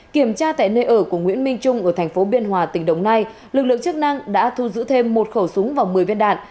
kiểm tra tại nơi ở của nguyễn minh trung ở thành phố biên hòa tỉnh đồng nai lực lượng chức năng đã thu giữ thêm một khẩu súng và một mươi viên đạn